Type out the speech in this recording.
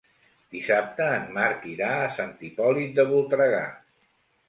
Dissabte en Marc irà a Sant Hipòlit de Voltregà.